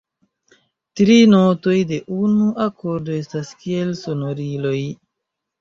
Tri notoj de unu akordo estas kiel sonoriloj.